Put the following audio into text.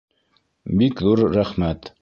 — Бик ҙур рәхмәт!